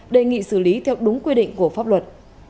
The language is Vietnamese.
đề nghị xử lý theo đúng quy định của pháp luật